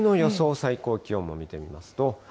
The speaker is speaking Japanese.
最高気温も見てみますと。